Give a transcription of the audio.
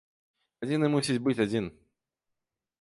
Адзіны мусіць быць адзін.